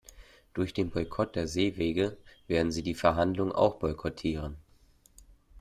Durch den Boykott der Seewege werden sie die Verhandlungen auch boykottieren.